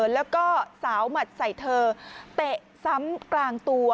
แล้วก็สาวหมัดใส่เธอเตะซ้ำกลางตัว